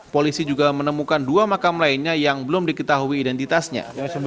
polisi juga menemukan dua makam lainnya yang belum diketahui identitasnya